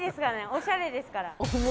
おしゃれですから。